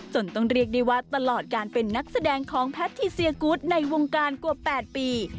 ต้องเรียกได้ว่าตลอดการเป็นนักแสดงของแพทิเซียกูธในวงการกว่า๘ปี